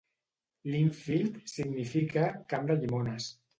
Lindfield significa "camp de llimones".